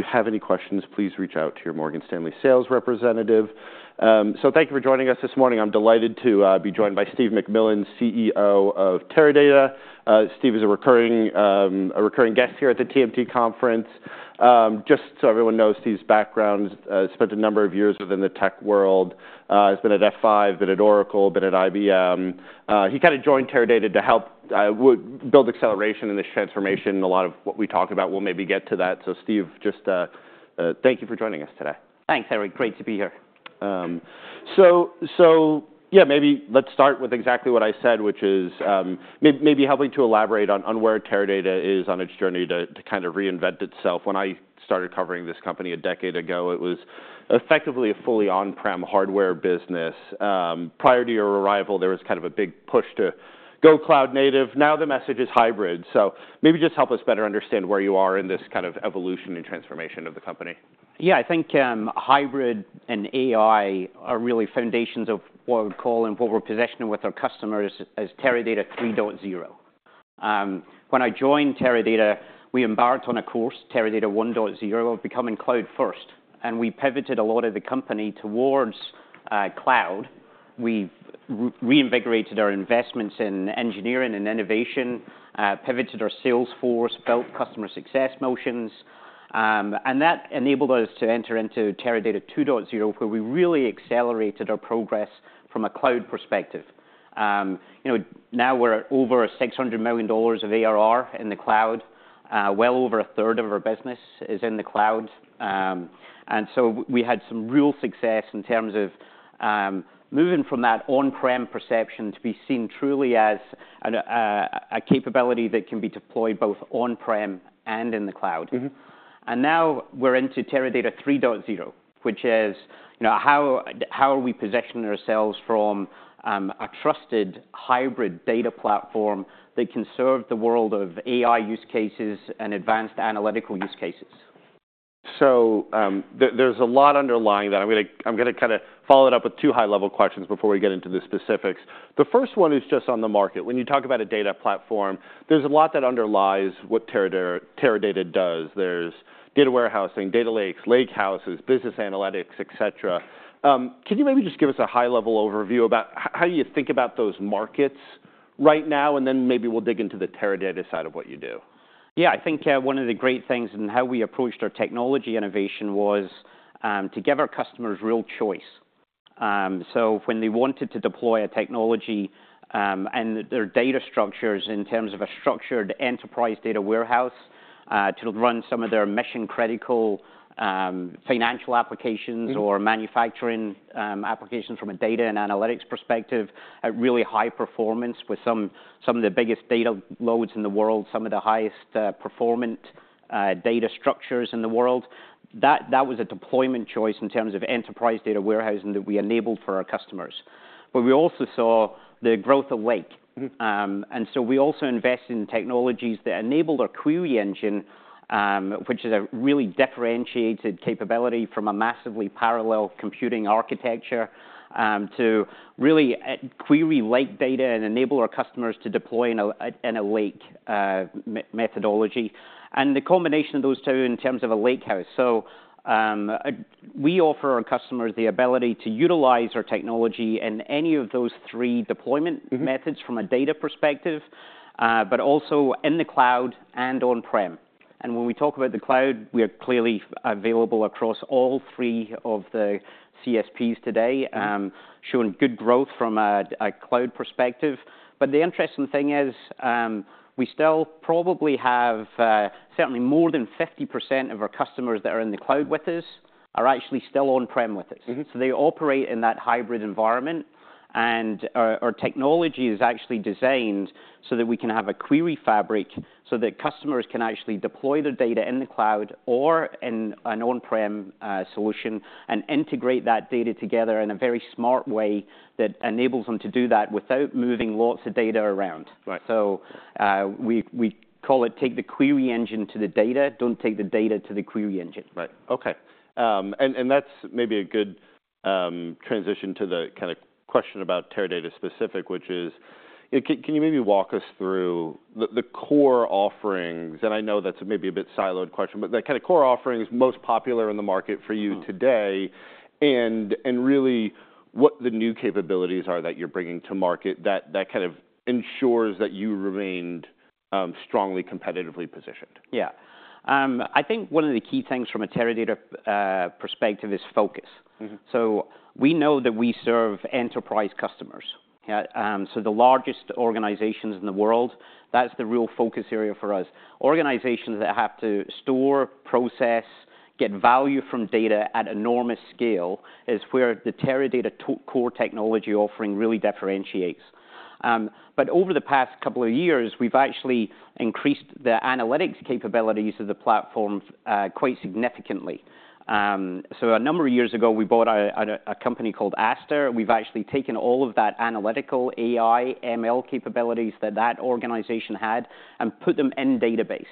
If you have any questions, please reach out to your Morgan Stanley sales representative, so thank you for joining us this morning. I'm delighted to be joined by Steve McMillan, CEO of Teradata. Steve is a recurring guest here at the TMT conference. Just so everyone knows Steve's background, spent a number of years within the tech world. Has been at F5, been at Oracle, been at IBM. He kind of joined Teradata to help build acceleration in this transformation. A lot of what we talk about, we'll maybe get to that. So Steve, just thank you for joining us today. Thanks. Great to be here. So, yeah, maybe let's start with exactly what I said, which is maybe helping to elaborate on where Teradata is on its journey to kind of reinvent itself. When I started covering this company a decade ago, it was effectively a fully on-prem hardware business. Prior to your arrival, there was kind of a big push to go cloud native. Now the message is hybrid. So maybe just help us better understand where you are in this kind of evolution and transformation of the company. Yeah, I think hybrid and AI are really foundations of what we're positioning with our customers as Teradata 3.0. When I joined Teradata, we embarked on a course, Teradata 1.0, of becoming cloud first. We pivoted a lot of the company towards cloud. We've reinvigorated our investments in engineering and innovation, pivoted our sales force, built customer success motions. That enabled us to enter into Teradata 2.0, where we really accelerated our progress from a cloud perspective. You know, now we're over $600 million of ARR in the cloud. Well over a third of our business is in the cloud. So we had some real success in terms of moving from that on-prem perception to be seen truly as a capability that can be deployed both on-prem and in the cloud. Now we're into Teradata 3.0, which is, you know, how are we positioning ourselves as a trusted hybrid data platform that can serve the world of AI use cases and advanced analytical use cases? So, there's a lot underlying that. I'm gonna kinda follow that up with two high-level questions before we get into the specifics. The first one is just on the market. When you talk about a data platform, there's a lot that underlies what Teradata does. There's data warehousing, data lakes, lakehouses, business analytics, etc. Can you maybe just give us a high-level overview about how you think about those markets right now? And then maybe we'll dig into the Teradata side of what you do. Yeah, I think one of the great things in how we approached our technology innovation was to give our customers real choice, so when they wanted to deploy a technology and their data structures in terms of a structured enterprise data warehouse to run some of their mission-critical financial applications or manufacturing applications from a data and analytics perspective at really high performance with some of the biggest data loads in the world, some of the highest performant data structures in the world, that was a deployment choice in terms of enterprise data warehousing that we enabled for our customers. But we also saw the growth of lake. And so we also invested in technologies that enabled our query engine, which is a really differentiated capability from a massively parallel computing architecture, to really query lake data and enable our customers to deploy in a lake methodology. The combination of those two in terms of a lakehouse. We offer our customers the ability to utilize our technology in any of those three deployment. Methods from a data perspective, but also in the cloud and on-prem. When we talk about the cloud, we are clearly available across all three of the CSPs today, showing good growth from a cloud perspective. The interesting thing is, we still probably have certainly more than 50% of our customers that are in the cloud with us are actually still on-prem with us. So they operate in that hybrid environment. And our technology is actually designed so that we can have a query fabric so that customers can actually deploy their data in the cloud or in an on-prem solution and integrate that data together in a very smart way that enables them to do that without moving lots of data around. Right. We call it take the query engine to the data, don't take the data to the query engine. Right. Okay, and that's maybe a good transition to the kinda question about Teradata specific, which is, you know, can you maybe walk us through the core offerings? And I know that's maybe a bit siloed question, but the kinda core offerings most popular in the market for you today. Really, what the new capabilities are that you're bringing to market that kind of ensures that you remained strongly competitively positioned? Yeah. I think one of the key things from a Teradata perspective is focus. So we know that we serve enterprise customers, yeah? So the largest organizations in the world, that's the real focus area for us. Organizations that have to store, process, get value from data at enormous scale is where the Teradata's core technology offering really differentiates. But over the past couple of years, we've actually increased the analytics capabilities of the platform, quite significantly. So a number of years ago, we bought a company called Aster. We've actually taken all of that analytical AI/ML capabilities that organization had and put them in database.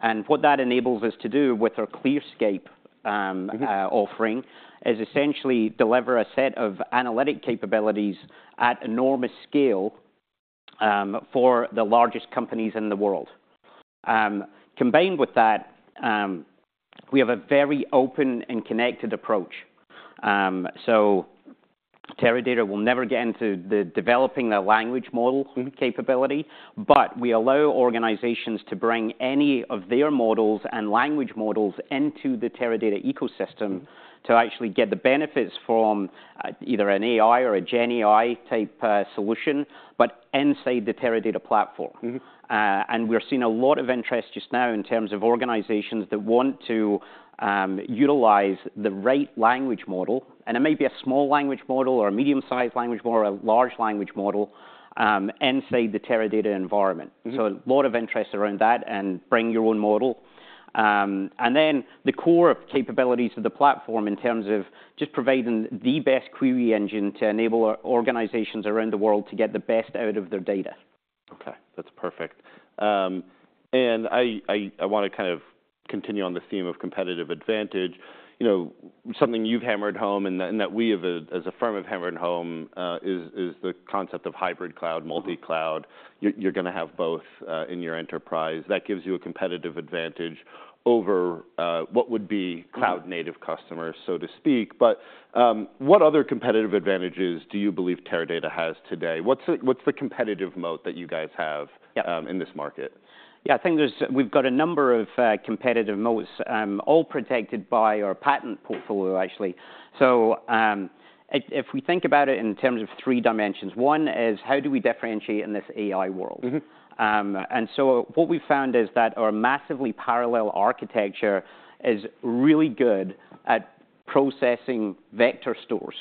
And what that enables us to do with our ClearScape, Offering is essentially deliver a set of analytic capabilities at enormous scale, for the largest companies in the world. Combined with that, we have a very open and connected approach, so Teradata will never get into developing the language model. Capability, but we allow organizations to bring any of their models and language models into the Teradata ecosystem to actually get the benefits from either an AI or a GenAI type solution, but inside the Teradata platform. And we're seeing a lot of interest just now in terms of organizations that want to utilize the right language model, and it may be a small language model or a medium-sized language model or a large language model, inside the Teradata environment. So, a lot of interest around that and bring your own model. And then, the core capabilities of the platform in terms of just providing the best query engine to enable our organizations around the world to get the best out of their data. Okay. That's perfect. And I wanna kind of continue on the theme of competitive advantage. You know, something you've hammered home and that we have, as a firm, have hammered home, is the concept of hybrid cloud, multi-cloud. You're gonna have both, in your enterprise. That gives you a competitive advantage over, what would be cloud-native customers, so to speak. But, what other competitive advantages do you believe Teradata has today? What's the competitive moat that you guys have in this market? Yeah, I think we've got a number of competitive moats, all protected by our patent portfolio, actually. So, if we think about it in terms of three dimensions, one is how do we differentiate in this AI world? And so what we found is that our massively parallel architecture is really good at processing vector stores.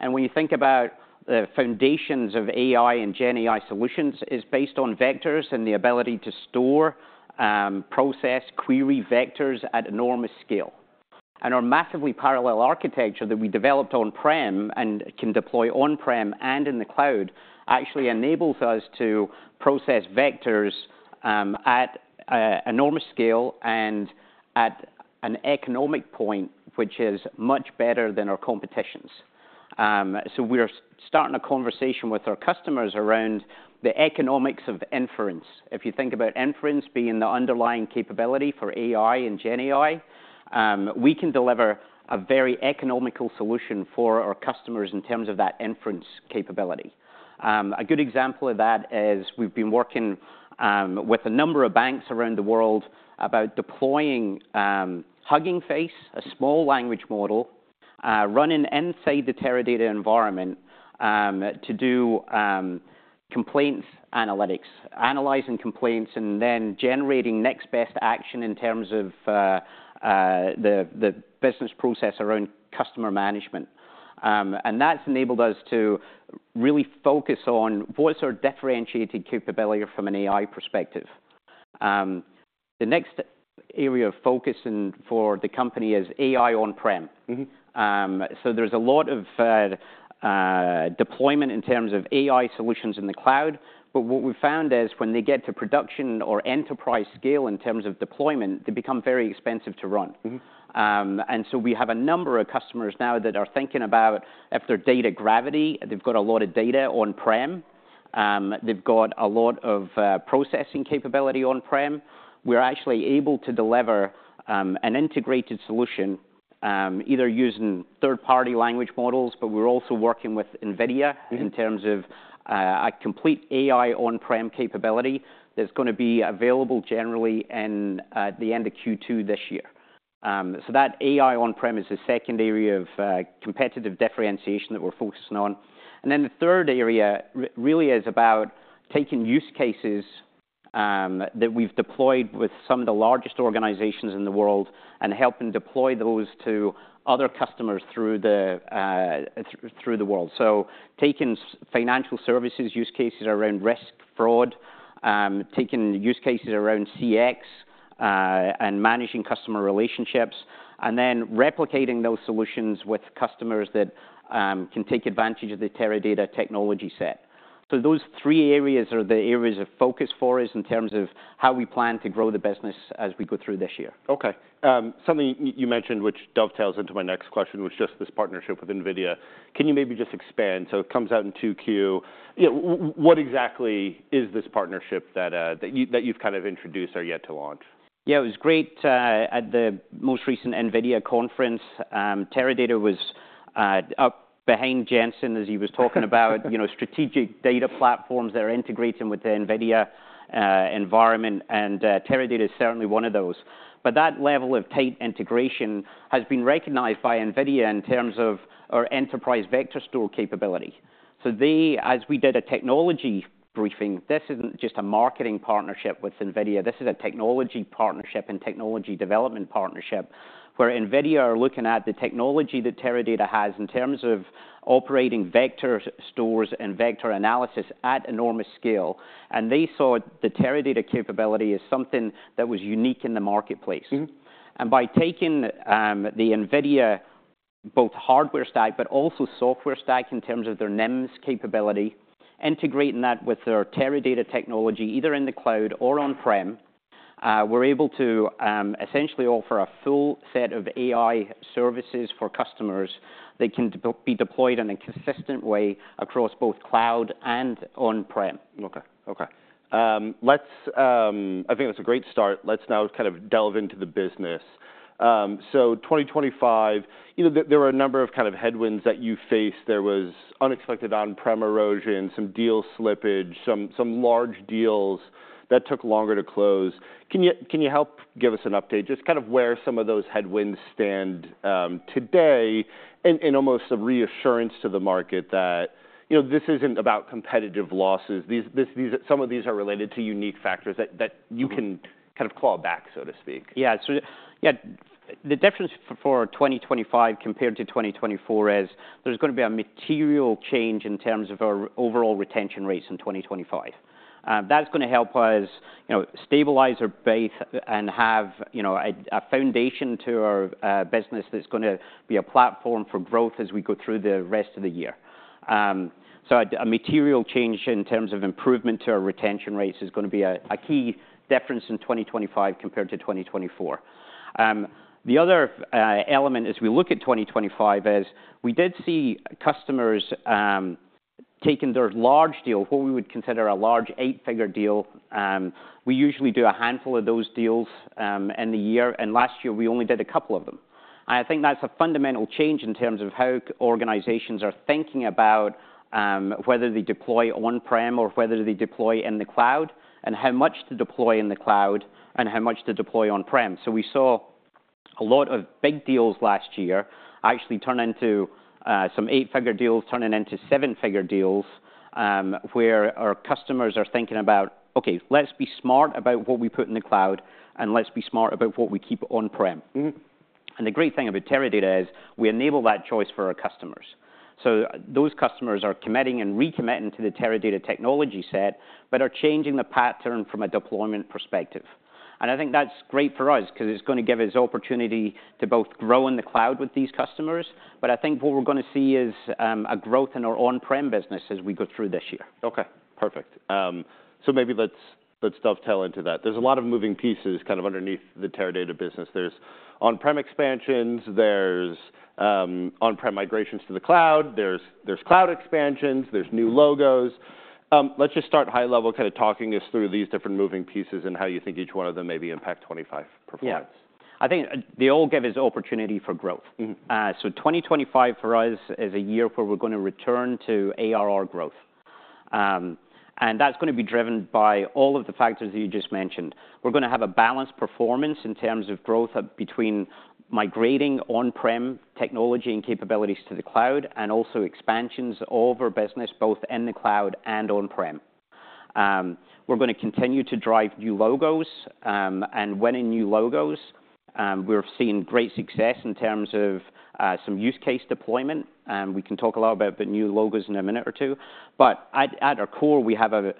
When you think about the foundations of AI and GenAI solutions, it's based on vectors and the ability to store, process, query vectors at enormous scale. Our massively parallel architecture that we developed on-prem and can deploy on-prem and in the cloud actually enables us to process vectors at enormous scale and at an economic point, which is much better than our competitors. We're starting a conversation with our customers around the economics of inference. If you think about inference being the underlying capability for AI and GenAI, we can deliver a very economical solution for our customers in terms of that inference capability. A good example of that is we've been working with a number of banks around the world about deploying Hugging Face, a small language model, running inside the Teradata environment, to do complaints analytics, analyzing complaints and then generating next best action in terms of the business process around customer management, and that's enabled us to really focus on what's our differentiated capability from an AI perspective. The next area of focusing for the company is AI on-prem. So there's a lot of deployment in terms of AI solutions in the cloud, but what we've found is when they get to production or enterprise scale in terms of deployment, they become very expensive to run. And so we have a number of customers now that are thinking about if their data gravity. They've got a lot of data on-prem. They've got a lot of processing capability on-prem. We're actually able to deliver an integrated solution, either using third-party language models, but we're also working with Nvidia. In terms of a complete AI on-prem capability that's gonna be available generally in the end of Q2 this year. So that AI on-prem is a second area of competitive differentiation that we're focusing on. And then the third area really is about taking use cases that we've deployed with some of the largest organizations in the world and helping deploy those to other customers throughout the world. So taking financial services use cases around risk, fraud, taking use cases around CX, and managing customer relationships, and then replicating those solutions with customers that can take advantage of the Teradata technology set. So those three areas are the areas of focus for us in terms of how we plan to grow the business as we go through this year. Okay. Something you mentioned, which dovetails into my next question, which is just this partnership with Nvidia. Can you maybe just expand? So it comes out in 2Q. You know, what exactly is this partnership that you've kind of introduced or yet to launch? Yeah, it was great at the most recent Nvidia conference. Teradata was up behind Jensen as he was talking about, you know, strategic data platforms that are integrating with the Nvidia environment. And Teradata is certainly one of those. But that level of tight integration has been recognized by Nvidia in terms of our Enterprise Vector Store capability. So they, as we did a technology briefing, this isn't just a marketing partnership with Nvidia. This is a technology partnership and technology development partnership where Nvidia are looking at the technology that Teradata has in terms of operating vector stores and vector analysis at enormous scale. And they saw the Teradata capability as something that was unique in the marketplace. By taking the Nvidia both hardware stack but also software stack in terms of their NIM capability, integrating that with Teradata technology either in the cloud or on-prem, we are able to essentially offer a full set of AI services for customers that can be deployed in a consistent way across both cloud and on-prem. Okay. Okay. Let's, I think that's a great start. Let's now kind of delve into the business. So 2025, you know, there were a number of kind of headwinds that you faced. There was unexpected on-prem erosion, some deal slippage, some large deals that took longer to close. Can you help give us an update? Just kind of where some of those headwinds stand today and almost a reassurance to the market that, you know, this isn't about competitive losses. Some of these are related to unique factors that you can kind of claw back, so to speak. Yeah. So yeah, the difference for 2025 compared to 2024 is there's gonna be a material change in terms of our overall retention rates in 2025. That's gonna help us, you know, stabilize our base and have, you know, a foundation to our business that's gonna be a platform for growth as we go through the rest of the year. A material change in terms of improvement to our retention rates is gonna be a key difference in 2025 compared to 2024. The other element as we look at 2025 is we did see customers taking their large deal, what we would consider a large eight-figure deal. We usually do a handful of those deals in the year. Last year, we only did a couple of them. I think that's a fundamental change in terms of how organizations are thinking about whether they deploy on-prem or whether they deploy in the cloud and how much to deploy in the cloud and how much to deploy on-prem. We saw a lot of big deals last year actually turn into some eight-figure deals turning into seven-figure deals, where our customers are thinking about, okay, let's be smart about what we put in the cloud and let's be smart about what we keep on-prem. And the great thing about Teradata is we enable that choice for our customers. So those customers are committing and recommitting to the Teradata technology set, but are changing the pattern from a deployment perspective. And I think that's great for us 'cause it's gonna give us opportunity to both grow in the cloud with these customers. But I think what we're gonna see is a growth in our on-prem business as we go through this year. Okay. Perfect, so maybe let's dovetail into that. There's a lot of moving pieces kind of underneath the Teradata business. There's on-prem expansions, there's on-prem migrations to the cloud, there's cloud expansions, there's new logos. Let's just start high level kind of talking us through these different moving pieces and how you think each one of them maybe impact '25 performance. Yeah. I think they all give us opportunity for growth. So 2025 for us is a year where we're gonna return to ARR growth. And that's gonna be driven by all of the factors that you just mentioned. We're gonna have a balanced performance in terms of growth between migrating on-prem technology and capabilities to the cloud and also expansions of our business both in the cloud and on-prem. We're gonna continue to drive new logos. And when in new logos, we're seeing great success in terms of, some use case deployment. We can talk a lot about the new logos in a minute or two. But at our core, we have a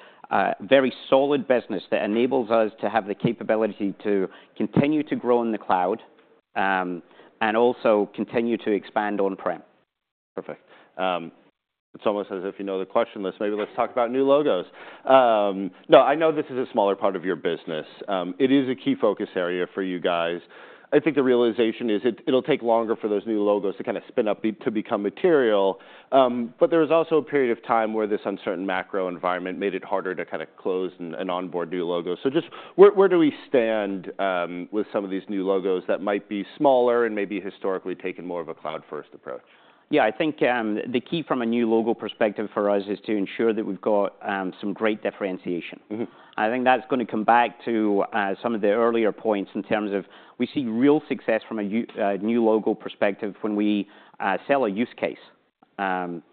very solid business that enables us to have the capability to continue to grow in the cloud, and also continue to expand on-prem. Perfect. It's almost as if, you know, the question list, maybe let's talk about new logos. No, I know this is a smaller part of your business. It is a key focus area for you guys. I think the realization is it, it'll take longer for those new logos to kind of spin up to become material. But there was also a period of time where this uncertain macro environment made it harder to kind of close and onboard new logos. So just where do we stand with some of these new logos that might be smaller and maybe historically taken more of a cloud-first approach? Yeah, I think the key from a new logo perspective for us is to ensure that we've got some great differentiation. I think that's gonna come back to some of the earlier points in terms of we see real success from a new logo perspective when we sell a use case. And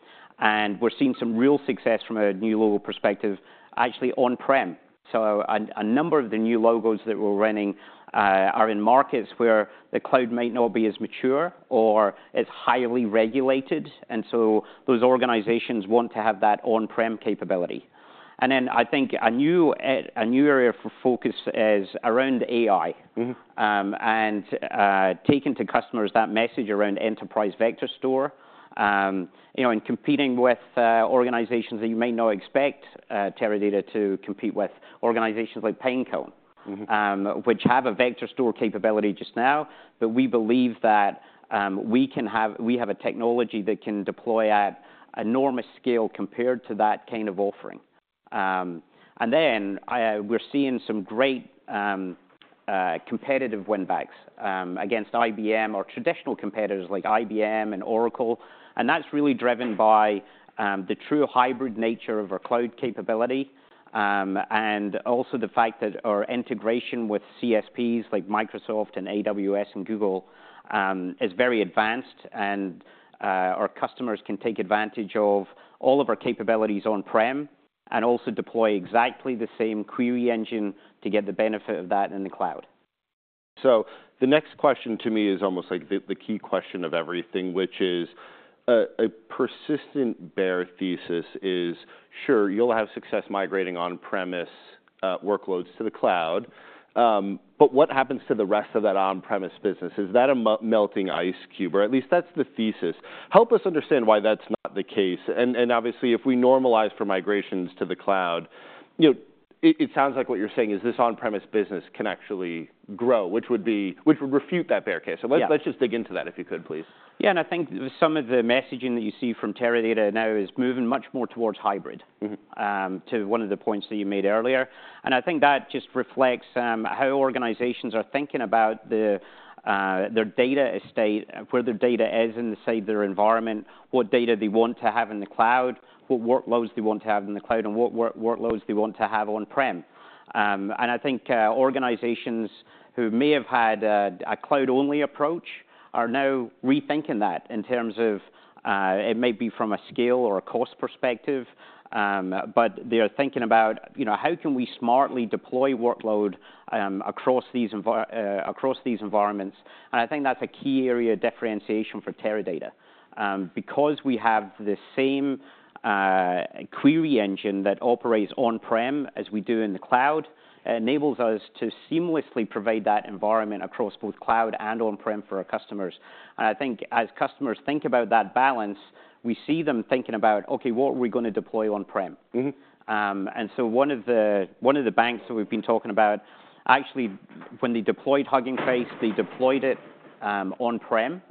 we're seeing some real success from a new logo perspective actually on-prem. So a number of the new logos that we're running are in markets where the cloud might not be as mature or as highly regulated. And so those organizations want to have that on-prem capability. And then I think a new area for focus is around AI and taking to customers that message around Enterprise Vector Store, you know, and competing with organizations that you may not expect, Teradata to compete with organizations like Pinecone. which have a vector store capability just now, but we believe that we have a technology that can deploy at enormous scale compared to that kind of offering, and then we're seeing some great competitive win-backs against IBM or traditional competitors like IBM and Oracle, and that's really driven by the true hybrid nature of our cloud capability, and also the fact that our integration with CSPs like Microsoft and AWS and Google is very advanced, and our customers can take advantage of all of our capabilities on-prem and also deploy exactly the same query engine to get the benefit of that in the cloud. So the next question to me is almost like the key question of everything, which is a persistent bear thesis: sure, you'll have success migrating on-premise workloads to the cloud. But what happens to the rest of that on-premise business? Is that a melting ice cube? Or at least that's the thesis. Help us understand why that's not the case. And obviously, if we normalize for migrations to the cloud, you know, it sounds like what you're saying is this on-premise business can actually grow, which would refute that bear case. Yeah. So let's just dig into that if you could, please. Yeah, and I think some of the messaging that you see from Teradata now is moving much more towards hybrid. To one of the points that you made earlier. And I think that just reflects how organizations are thinking about their data estate, where their data is in the state of their environment, what data they want to have in the cloud, what workloads they want to have in the cloud, and what workloads they want to have on-prem. And I think organizations who may have had a cloud-only approach are now rethinking that in terms of it may be from a scale or a cost perspective, but they're thinking about, you know, how can we smartly deploy workload across these environments. And I think that's a key area of differentiation for Teradata. Because we have the same query engine that operates on-prem as we do in the cloud, enables us to seamlessly provide that environment across both cloud and on-prem for our customers. I think as customers think about that balance, we see them thinking about, okay, what are we gonna deploy on-prem? And so one of the banks that we've been talking about actually, when they deployed Hugging Face, they deployed it on-prem.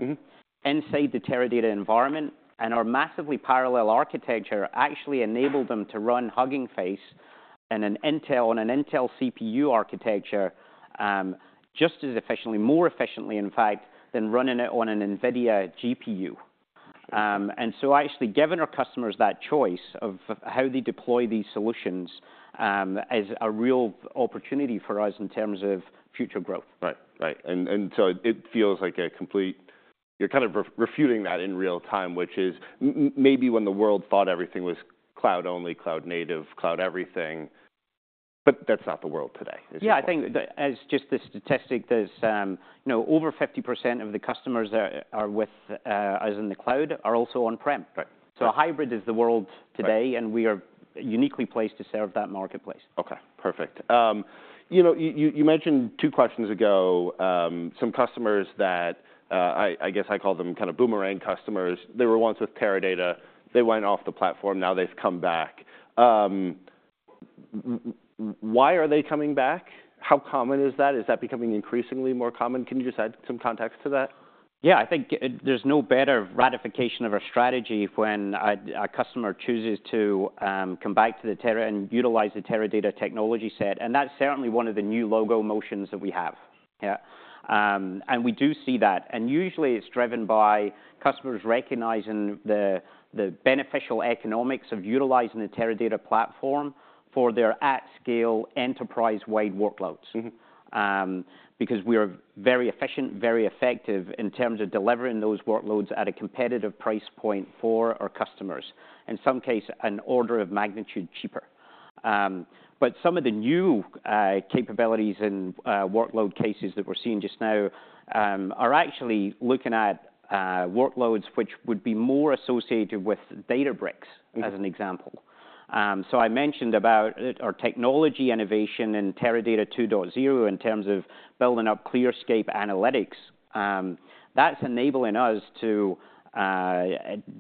Inside the Teradata environment, and our massively parallel architecture actually enabled them to run Hugging Face in an Intel on an Intel CPU architecture, just as efficiently, more efficiently, in fact, than running it on an Nvidia GPU. Okay. And so, actually, giving our customers that choice of how they deploy these solutions, is a real opportunity for us in terms of future growth. Right. Right. And so it feels like you're completely refuting that in real time, which is maybe when the world thought everything was cloud-only, cloud-native, cloud-everything, but that's not the world today. Yeah, I think that as just the statistic, there's, you know, over 50% of the customers that are with us in the cloud are also on-prem. Right. Hybrid is the world today, and we are uniquely placed to serve that marketplace. Okay. Perfect. You know, you mentioned two questions ago, some customers that I guess I call them kind of boomerang customers. They were once with Teradata. They went off the platform. Now they've come back. Why are they coming back? How common is that? Is that becoming increasingly more common? Can you just add some context to that? Yeah, I think, there's no better ratification of our strategy when a, a customer chooses to, come back to the Teradata and utilize the Teradata technology set. And that's certainly one of the new logo motions that we have. Yeah. And we do see that. And usually it's driven by customers recognizing the, the beneficial economics of utilizing the Teradata platform for their at-scale enterprise-wide workloads. Because we are very efficient, very effective in terms of delivering those workloads at a competitive price point for our customers, in some cases an order of magnitude cheaper. But some of the new capabilities and workload cases that we're seeing just now are actually looking at workloads which would be more associated with Databricks. As an example, so I mentioned about our technology innovation in Teradata 2.0 in terms of building up ClearScape Analytics. That's enabling us to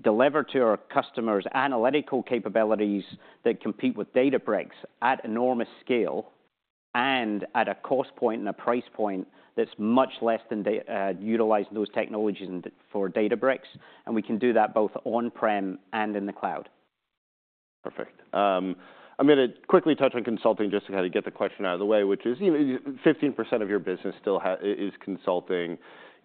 deliver to our customers analytical capabilities that compete with Databricks at enormous scale and at a cost point and a price point that's much less than Databricks utilizing those technologies and for Databricks. And we can do that both on-prem and in the cloud. Perfect. I'm gonna quickly touch on consulting just to kind of get the question out of the way, which is, you know, 15% of your business still has consulting.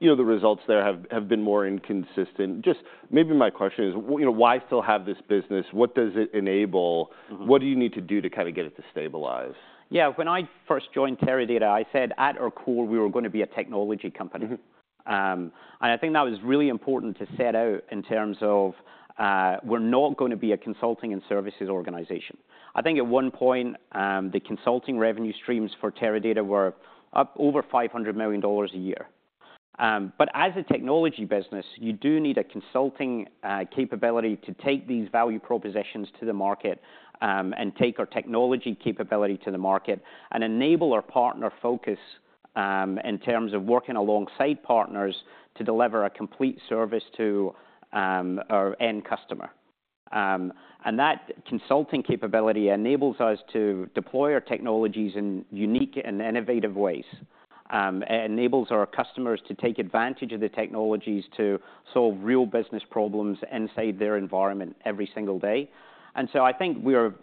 You know, the results there have been more inconsistent. Just maybe my question is, you know, why still have this business? What does it enable? What do you need to do to kind of get it to stabilize? Yeah. When I first joined Teradata, I said at our core, we were gonna be a technology company. And I think that was really important to set out in terms of, we're not gonna be a consulting and services organization. I think at one point, the consulting revenue streams for Teradata were up over $500 million a year. But as a technology business, you do need a consulting capability to take these value propositions to the market, and take our technology capability to the market and enable our partner focus, in terms of working alongside partners to deliver a complete service to our end customer. And that consulting capability enables us to deploy our technologies in unique and innovative ways. It enables our customers to take advantage of the technologies to solve real business problems inside their environment every single day. And so I think we are.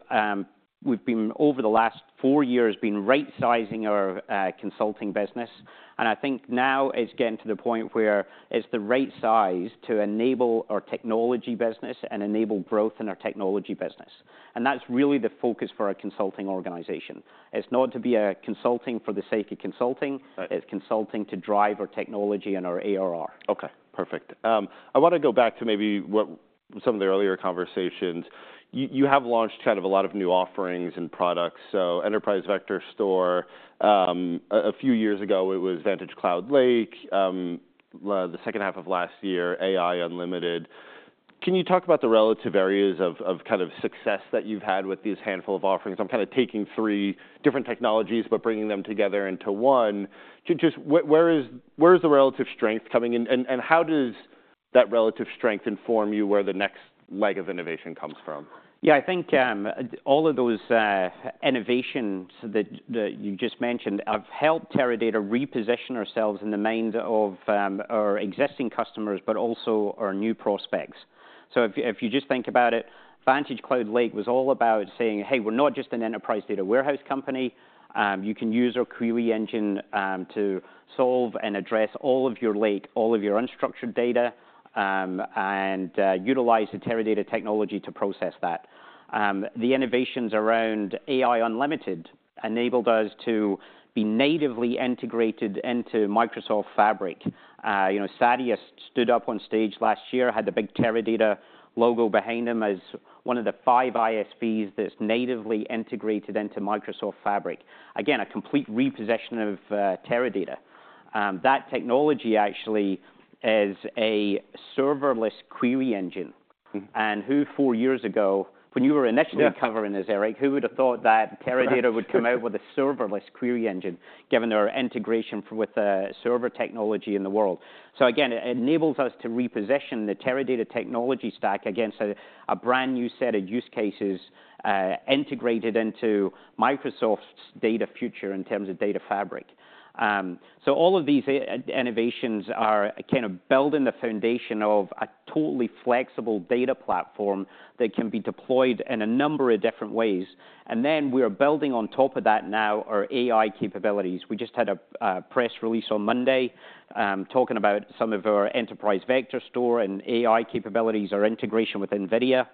We've been over the last four years right-sizing our consulting business. And I think now it's getting to the point where it's the right size to enable our technology business and enable growth in our technology business. And that's really the focus for our consulting organization. It's not to be a consulting for the sake of consulting. Right. It's consulting to drive our technology and our ARR. Okay. Perfect. I wanna go back to maybe what some of the earlier conversations. You have launched kind of a lot of new offerings and products. So Enterprise Vector Store, a few years ago it was VantageCloud lake. The second half of last year, AI Unlimited. Can you talk about the relative areas of kind of success that you've had with these handful of offerings? I'm kind of taking three different technologies but bringing them together into one. Just where is the relative strength coming in? And how does that relative strength inform you where the next leg of innovation comes from? Yeah, I think all of those innovations that you just mentioned have helped Teradata reposition ourselves in the minds of our existing customers, but also our new prospects. So if you just think about it, VantageCloud lake was all about saying, "Hey, we're not just an enterprise data warehouse company. You can use our query engine to solve and address all of your lake, all of your unstructured data, and utilize the Teradata technology to process that." The innovations around AI Unlimited enabled us to be natively integrated into Microsoft Fabric. You know, Satya stood up on stage last year, had the big Teradata logo behind them as one of the five ISVs that's natively integrated into Microsoft Fabric. Again, a complete repositioning of Teradata. That technology actually is a serverless query engine. And who four years ago, when you were initially covering this, Eric, who would've thought that Teradata would come out with a serverless query engine given our integration with server technology in the world? So again, it enables us to reposition the Teradata technology stack against a brand new set of use cases, integrated into Microsoft's data fabric. So all of these innovations are kind of building the foundation of a totally flexible data platform that can be deployed in a number of different ways. And then we are building on top of that now our AI capabilities. We just had a press release on Monday, talking about some of our Enterprise Vector Store and AI capabilities, our integration with Nvidia,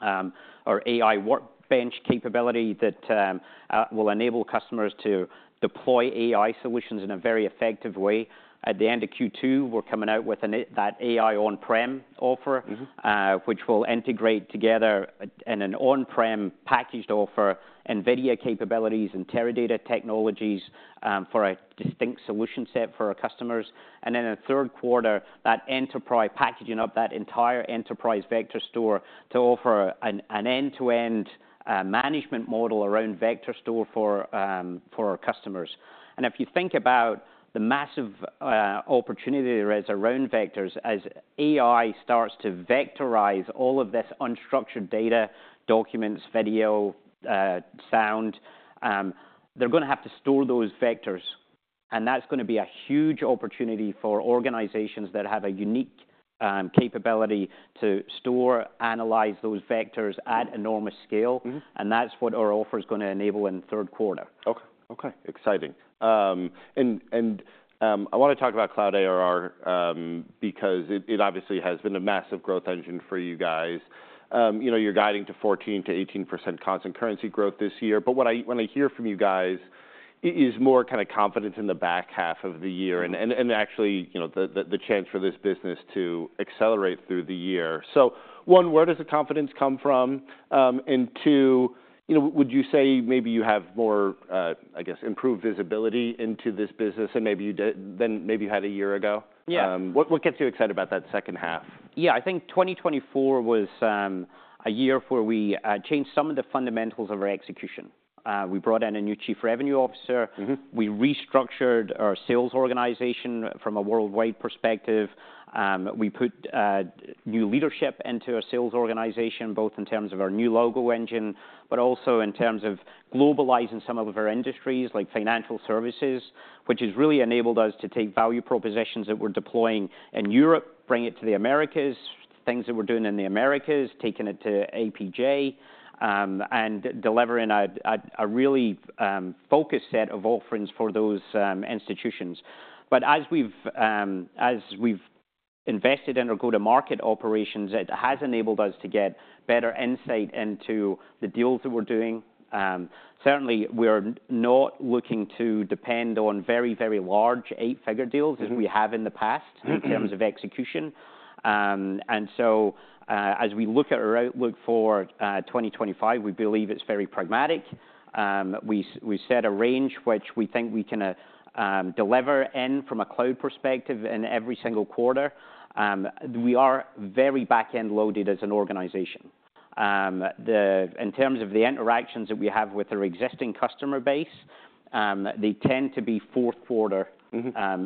our AI Workbench capability that will enable customers to deploy AI solutions in a very effective way. At the end of Q2, we're coming out with an AI on-prem offer. which will integrate together in an on-prem packaged offer, NVIDIA capabilities and Teradata technologies, for a distinct solution set for our customers. And then in the third quarter, that enterprise packaging up that entire Enterprise Vector Store to offer an end-to-end management model around vector store for our customers. And if you think about the massive opportunity there is around vectors, as AI starts to vectorize all of this unstructured data, documents, video, sound, they're gonna have to store those vectors. And that's gonna be a huge opportunity for organizations that have a unique capability to store, analyze those vectors at enormous scale. And that's what our offer's gonna enable in the third quarter. Okay. Exciting, and I wanna talk about Cloud ARR, because it obviously has been a massive growth engine for you guys. You know, you're guiding to 14%-18% constant currency growth this year. But what I hear from you guys is more kind of confidence in the back half of the year and actually, you know, the chance for this business to accelerate through the year. So, one, where does the confidence come from? Two, you know, would you say maybe you have more, I guess, improved visibility into this business than maybe you did a year ago? Yeah. What gets you excited about that second half? Yeah, I think 2024 was a year where we changed some of the fundamentals of our execution. We brought in a new chief revenue officer. We restructured our sales organization from a worldwide perspective. We put new leadership into our sales organization, both in terms of our new logo engine, but also in terms of globalizing some of our industries like financial services, which has really enabled us to take value propositions that we're deploying in Europe, bring it to the Americas, things that we're doing in the Americas, taking it to APJ, and delivering a really focused set of offerings for those institutions. But as we've invested in our go-to-market operations, it has enabled us to get better insight into the deals that we're doing. Certainly we are not looking to depend on very, very large eight-figure deals. As we have in the past in terms of execution. And so, as we look at our outlook for 2025, we believe it's very pragmatic. We set a range which we think we can deliver in from a cloud perspective in every single quarter. We are very back-end loaded as an organization. In terms of the interactions that we have with our existing customer base, they tend to be fourth quarter.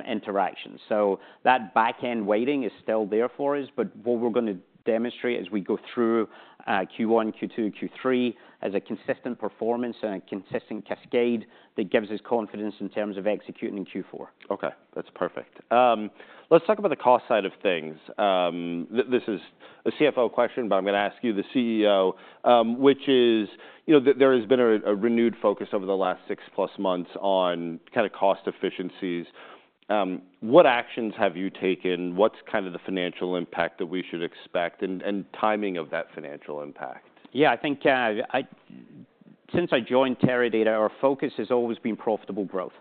Interactions. So that back-end waiting is still there for us. But what we're gonna demonstrate as we go through Q1, Q2, Q3 as a consistent performance and a consistent cascade that gives us confidence in terms of executing in Q4. Okay. That's perfect. Let's talk about the cost side of things. This is a CFO question, but I'm gonna ask you the CEO, which is, you know, there has been a renewed focus over the last six-plus months on kind of cost efficiencies. What actions have you taken? What's kind of the financial impact that we should expect and the timing of that financial impact? Yeah, I think since I joined Teradata, our focus has always been profitable growth.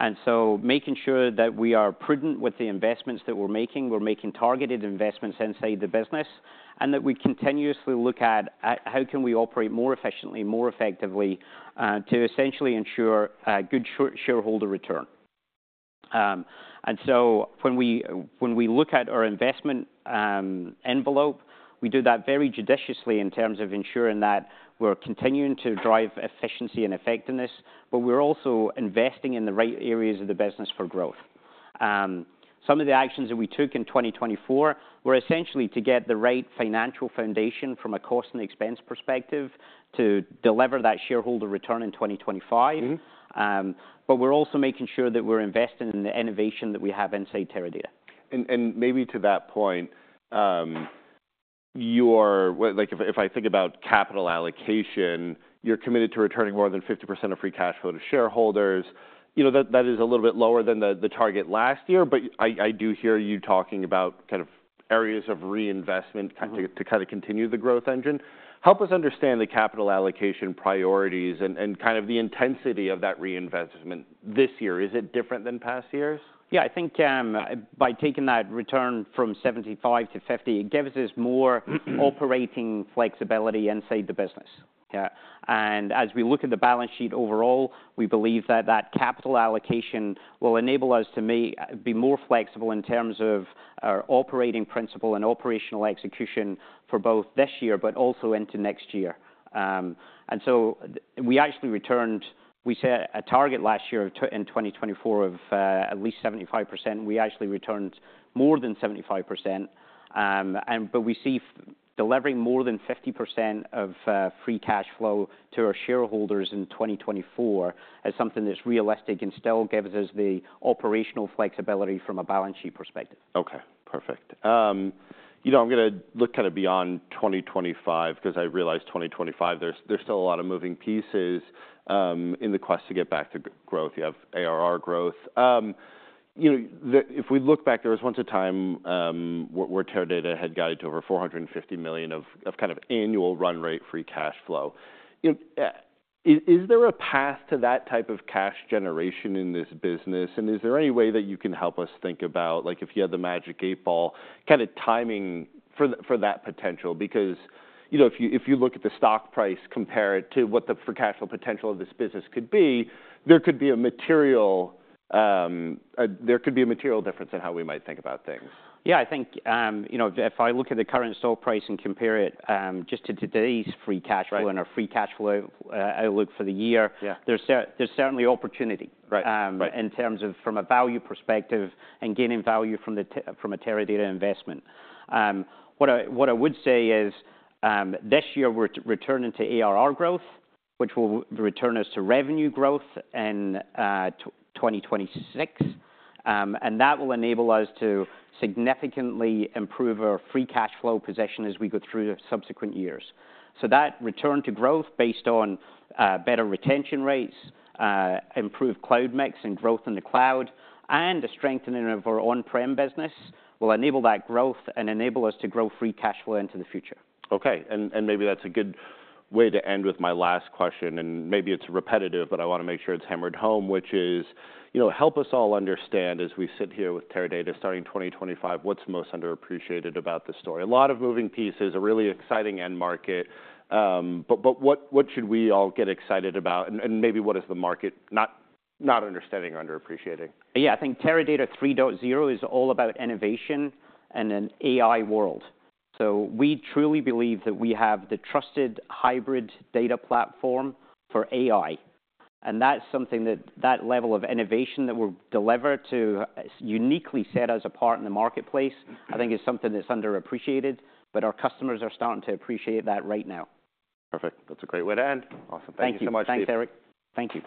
And so making sure that we are prudent with the investments that we're making. We're making targeted investments inside the business and that we continuously look at how we can operate more efficiently, more effectively, to essentially ensure a good shareholder return. And so when we look at our investment envelope, we do that very judiciously in terms of ensuring that we're continuing to drive efficiency and effectiveness, but we're also investing in the right areas of the business for growth. Some of the actions that we took in 2024 were essentially to get the right financial foundation from a cost and expense perspective to deliver that shareholder return in 2025. But we're also making sure that we're investing in the innovation that we have inside Teradata. Maybe to that point, if I think about capital allocation, you're committed to returning more than 50% of free cash flow to shareholders. You know, that is a little bit lower than the target last year, but I do hear you talking about kind of areas of reinvestment. Kind of to continue the growth engine. Help us understand the capital allocation priorities and kind of the intensity of that reinvestment this year. Is it different than past years? Yeah, I think, by taking that return from 75-50, it gives us more. Operating flexibility inside the business. Yeah, and as we look at the balance sheet overall, we believe that that capital allocation will enable us to be more flexible in terms of our operating principle and operational execution for both this year, but also into next year, and so we actually returned. We set a target last year of at least 75% in 2024. We actually returned more than 75%. But we see delivering more than 50% of Free Cash Flow to our shareholders in 2024 as something that's realistic and still gives us the operational flexibility from a balance sheet perspective. Okay. Perfect. You know, I'm gonna look kind of beyond 2025 'cause I realize 2025, there's still a lot of moving pieces, in the quest to get back to growth. You have ARR growth. You know, if we look back, there was once a time, where Teradata had guided to over $450 million of kind of annual run rate free cash flow. You know, is there a path to that type of cash generation in this business? And is there any way that you can help us think about, like, if you had the magic eight ball, kind of timing for that potential? Because, you know, if you look at the stock price, compare it to what the free cash flow potential of this business could be, there could be a material difference in how we might think about things. Yeah, I think, you know, if I look at the current stock price and compare it just to today's free cash flow. Right. Our free cash flow outlook for the year. Yeah. There's certainly opportunity. Right. Right. In terms of from a value perspective and gaining value from the Teradata investment. What I would say is, this year we're returning to ARR growth, which will return us to revenue growth in 2026. And that will enable us to significantly improve our free cash flow position as we go through the subsequent years. That return to growth based on better retention rates, improved cloud mix and growth in the cloud, and a strengthening of our on-prem business will enable that growth and enable us to grow free cash flow into the future. Okay, and maybe that's a good way to end with my last question, and maybe it's repetitive, but I wanna make sure it's hammered home, which is, you know, help us all understand as we sit here with Teradata starting 2025, what's most underappreciated about the story. A lot of moving pieces, a really exciting end market, but what should we all get excited about, and maybe what is the market not understanding or underappreciating? Yeah, I think Teradata 3.0 is all about innovation and an AI world. So we truly believe that we have the trusted hybrid data platform for AI. And that's something that level of innovation that we're delivered to is uniquely set as a part in the marketplace.I think is something that's underappreciated, but our customers are starting to appreciate that right now. Perfect. That's a great way to end. Awesome. Thank you so much, Steve. Thanks, Eric. Thank you.